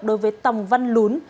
đối với tòng văn lún